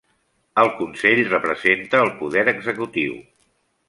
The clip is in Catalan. El Consell representa el poder executiu.